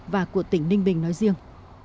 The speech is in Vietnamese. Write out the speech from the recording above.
và của tỉnh ninh bình nói riêng